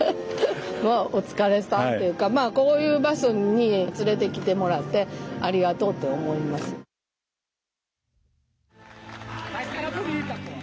まぁお疲れさんというかこういう場所に連れてきてもらってありがとうと思います。